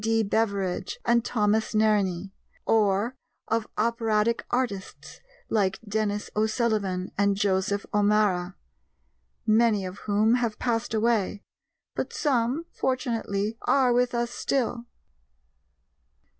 D. Beveridge, and Thomas Nerney; or of operatic artists like Denis O'Sullivan and Joseph O'Mara many of whom have passed away, but some, fortunately, are with us still.